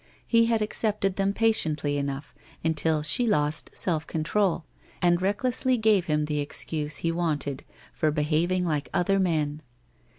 He had accepted them patiently enough until she lost self control and recklessly gave him the excuse he wanted for behaving like other men.